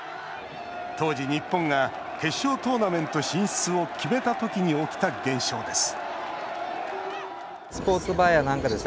当時、日本が決勝トーナメントを決めた時に起きた現象です